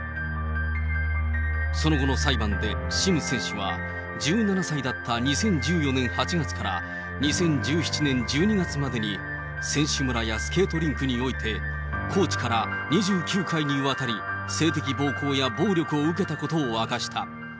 その後の裁判でシム選手は、１７歳だった２０１４年８月から２０１７年１２月までに選手村やスケートリンクにおいて、コーチから２９回にわたり性的暴行や暴力を受けたことを明かした。